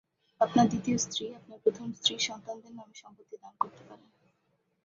আপনার দ্বিতীয় স্ত্রী আপনার প্রথম স্ত্রীর সন্তানদের নামে সম্পত্তি দান করতে পারেন।